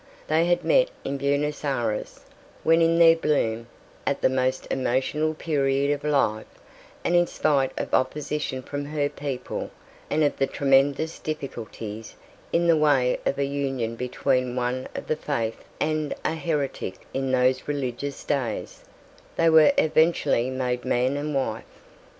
They had met in Buenos Ayres when in their bloom, at the most emotional period of life, and in spite of opposition from her people and of the tremendous difficulties in the way of a union between one of the Faith and a heretic in those religious days, they were eventually made man and wife.